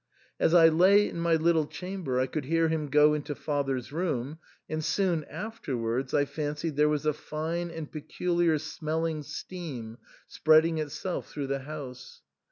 As I lay in my little chamber I could hear him go into father's room, and soon afterwards I fan cied there was a fine and peculiar smelling steam spreading itself through the house.